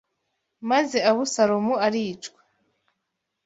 maze Abusalomu aricwa